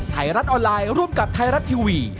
ไทยรัฐออนไลน์ร่วมกับไทยรัฐทีวี